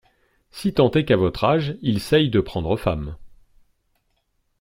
Si tant est qu'à votre âge il seye de prendre femme.